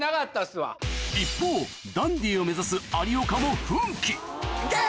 一方ダンディーを目指す有岡も奮起・行け！